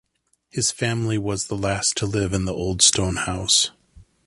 His family was the last to live in the Old Stone House.